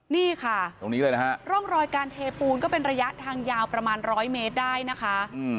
นี่ค่ะร่องรอยการเทปูนก็เป็นระยะทางยาวประมาณ๑๐๐เมตรได้นะคะ